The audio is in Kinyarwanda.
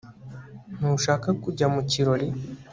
ntushaka kujya mu kirori